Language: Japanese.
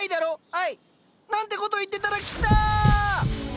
愛！なんてこと言ってたら来た！